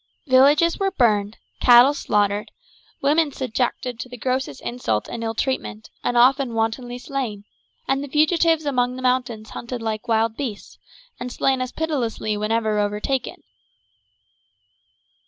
Villages were burned, cattle slaughtered, women subjected to the grossest insult and ill treatment, and often wantonly slain, and the fugitives among the mountains hunted like wild beasts, and slain as pitilessly whenever overtaken.